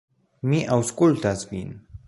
Mi aŭskultas vin.